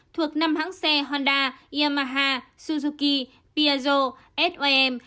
thuộc năm hãng xe honda yamaha suzuki piazzo som